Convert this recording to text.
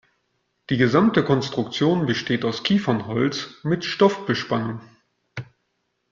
Die gesamte Konstruktion besteht aus Kiefernholz mit Stoffbespannung.